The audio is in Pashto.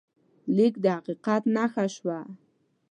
لیک د حقیقت نښه شوه.